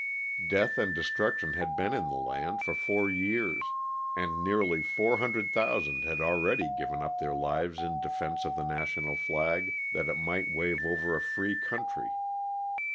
Death and destruction had been in the land for four years, and nearly 400,000 had already given up their lives in defense of the national flag, that it might wave over a free country.